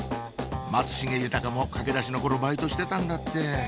松重豊も駆け出しの頃バイトしてたんだって